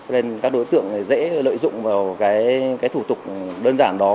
nên các đối tượng dễ lợi dụng vào thủ tục đơn giản đó